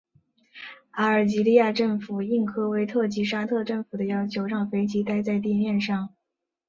阿尔及利亚政府应科威特及沙特政府的要求让飞机待在地面上。